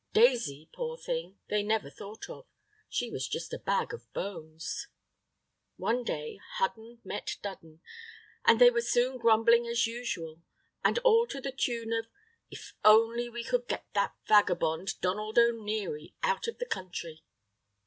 Daisy, poor thing, they never thought of; she was just a bag of bones. One day Hudden met Dudden, and they were soon grumbling as usual, and all to the tune of "If only we could get that vagabond, Donald O'Neary, out of the country."